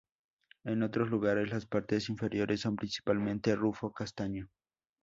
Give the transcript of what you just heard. En otros lugares, las partes inferiores son principalmente rufo castaño.